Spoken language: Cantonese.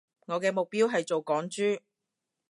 我嘅目標係做港豬